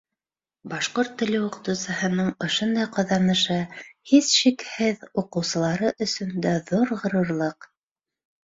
Башҡорт теле уҡытыусыһының ошондай ҡаҙанышы, һис шикһеҙ, уҡыусылары өсөн дә ҙур ғорурлыҡ.